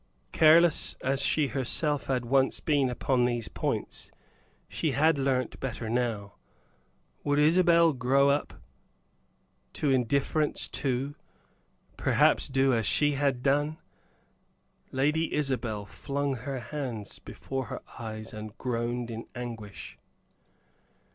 Careless as she herself had once been upon these points, she had learnt better now. Would Isabel grow up to indifference, to perhaps do as she had done? Lady Isabel flung her hands before her eyes and groaned in anguish.